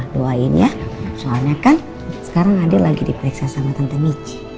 doain ya soalnya kan sekarang ade lagi diperiksa sama tante nic